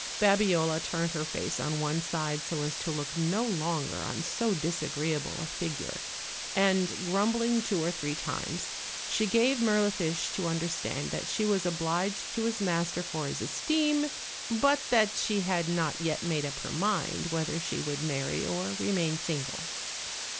Babiola turned her face on one side so as to look no longer on so disagreeable a figure, and, grumbling two or three times, she gave Mirlifiche to understand that she was obliged to his master for his esteem, but that she had riot yet made up her mind whether she would marry or remain single.